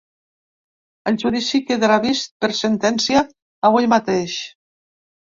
El judici quedarà vist per sentència avui mateix.